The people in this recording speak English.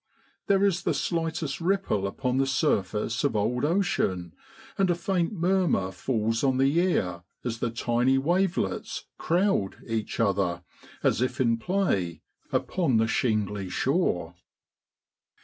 There is the slightest ripple upon the surface of old ocean, and a faint murmur falls on the ear as the tiny wavelets l crowd ' each other, as if in play, upon the shingly shore.